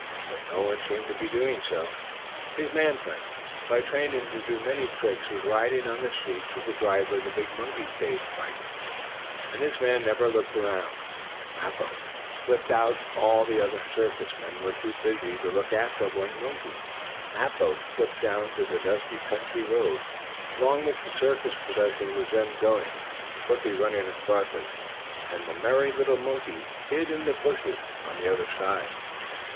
But no one seemed to be doing so. His man friend, who had trained him to do many tricks, was riding on the seat with the driver of the big monkey cage wagon, and this man never looked around, as Mappo slipped out. All the other circus men were too busy to look after one monkey. Mappo slipped down to the dusty country road, along which the circus procession was then going, and quickly running across it, the merry little monkey hid in the bushes on the other side.